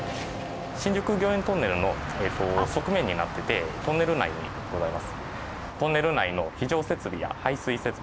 新宿御苑トンネルの側面になっててトンネル内にございます。